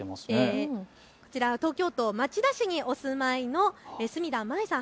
こちらは東京都町田市にお住まいのすみだまいさん